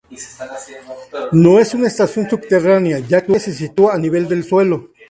No es una estación subterránea ya que se sitúa a nivel del suelo.